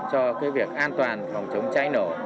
cho việc an toàn phòng chống cháy nổ